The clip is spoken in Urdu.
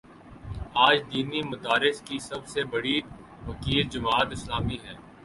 آج دینی مدارس کی سب سے بڑی وکیل جماعت اسلامی ہے۔